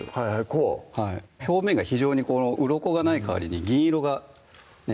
こうはい表面がうろこがない代わりに銀色がね